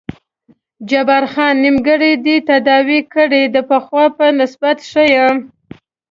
جبار خان: نیمګړی دې تداوي کړی یې، د پخوا په نسبت ښه یم.